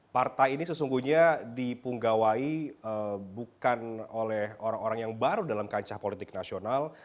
partai ini sesungguhnya dipunggawai bukan oleh orang orang yang baru dalam kancah politik nasional